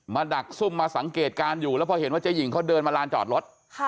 ดักซุ่มมาสังเกตการณ์อยู่แล้วพอเห็นว่าเจ๊หญิงเขาเดินมาลานจอดรถ